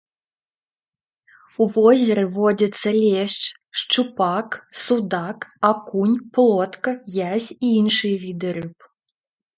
У возеры водзяцца лешч, шчупак, судак, акунь, плотка, язь і іншыя віды рыб.